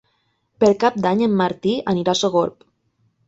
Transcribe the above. Per Cap d'Any en Martí anirà a Sogorb.